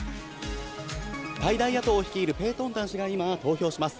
最大野党を率いるペートンタン氏が投票します。